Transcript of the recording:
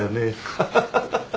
ハハハハハ。